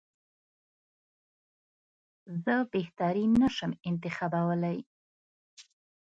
زه بهترین نه شم انتخابولای.